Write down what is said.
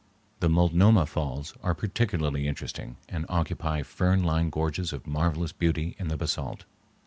The Multnomah Falls are particularly interesting, and occupy fern lined gorges of marvelous beauty in the basalt.